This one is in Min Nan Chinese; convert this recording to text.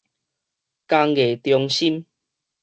工藝中心